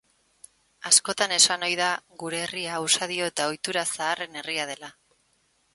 Askotan esan ohi da gure herria usadio eta ohitura zaharren herria dela.